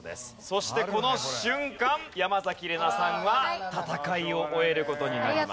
そしてこの瞬間山崎怜奈さんは戦いを終える事になります。